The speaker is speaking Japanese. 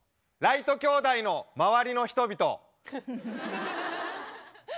「ライト兄弟の周りの人々」。